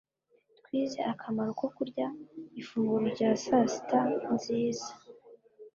twize akamaro ko kurya ifunguro rya sasita nziza